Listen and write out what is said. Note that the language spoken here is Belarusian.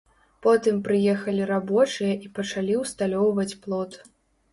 Потым прыехалі рабочыя і пачалі ўсталёўваць плот.